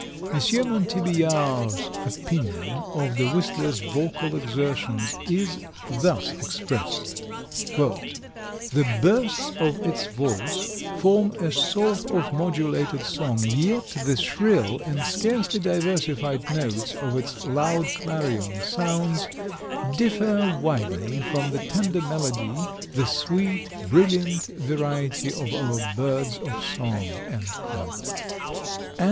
M. Montbeillard's opinion of the whistler's vocal exertions is thus expressed: "The bursts of its voice form a sort of modulated song, yet the shrill and scarcely diversified notes of its loud clarion sounds differ widely from the tender melody, the sweet, brilliant variety of our birds of song." And M.